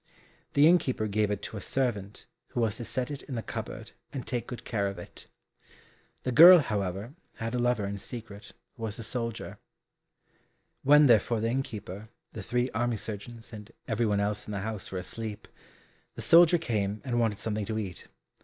The innkeeper gave it to a servant who was to set it in the cupboard, and take good care of it. The girl, however, had a lover in secret, who was a soldier. When therefore the innkeeper, the three army surgeons, and everyone else in the house were asleep, the soldier came and wanted something to eat.